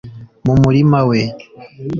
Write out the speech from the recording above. mu murima we.